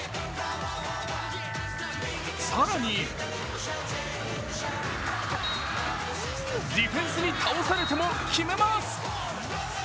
更に、ディフェンスに倒されても決めます。